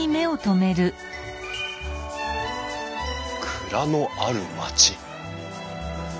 「蔵のある町」。